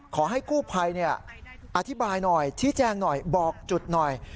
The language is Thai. ขอให้กู้ภัยอธิบายหน่อยชี้แจงหน่อยบอกจุดหน่อย